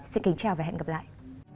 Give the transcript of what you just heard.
xin kính chào và hẹn gặp lại